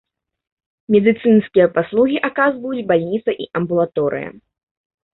Медыцынскія паслугі аказваюць бальніца і амбулаторыя.